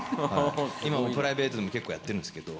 今もプライベートでも結構やってるんですけど。